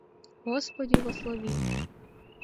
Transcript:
— Осподи лослови!